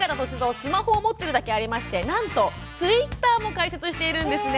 スマホを持っているだけありましてなんとツイッターも開設しています。